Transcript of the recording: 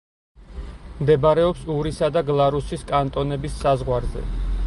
მდებარეობს ურისა და გლარუსის კანტონების საზღვარზე.